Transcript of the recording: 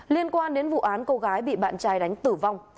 liên quan đến vụ án cô gái bị bạn trai đánh tử vong